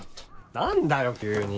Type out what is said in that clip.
何だよ急に。